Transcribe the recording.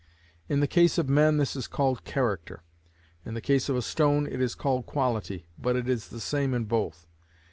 In the case of men this is called character; in the case of a stone it is called quality, but it is the same in both.